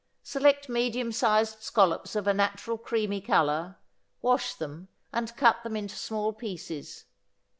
Select medium sized scallops of a natural creamy color, wash them, and cut them into small pieces.